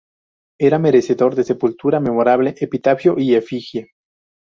Era merecedor de sepultura memorable, epitafio y efigie.